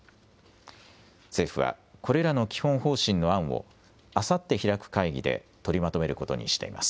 政府はこれらの基本方針の案をあさって開く会議で取りまとめることにしています。